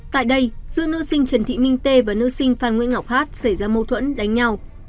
tại đây giữa nữ sinh trần thị minh tê và nữ sinh phan nguyễn ngọc hát xảy ra mâu thuẫn đánh nhau